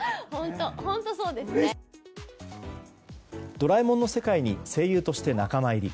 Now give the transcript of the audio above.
「ドラえもん」の世界に声優として仲間入り。